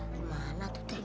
di mana tuh teh